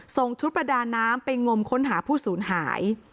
ส่งชุดประดาน้ำไปงมค้นหาผู้สูญหาย